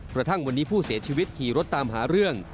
กระทั่งวันนี้ผู้เสียชีวิตขี่รถตามหาเรื่อง